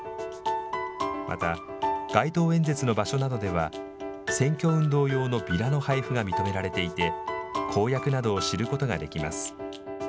また、街頭演説の場所などでは選挙運動用のビラの配布が認められていて公約などを知ることができます。